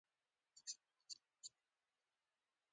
رس د باغ خوند دی